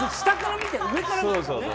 下から見てるの？